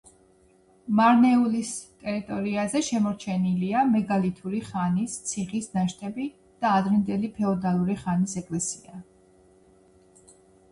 მარნეულის ტერიტორიაზე შემორჩენილია მეგალითური ხანის ციხის ნაშთები და ადრინდელი ფეოდალური ხანის ეკლესია.